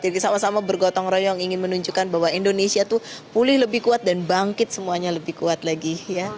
jadi sama sama bergotong royong ingin menunjukkan bahwa indonesia tuh pulih lebih kuat dan bangkit semuanya lebih kuat lagi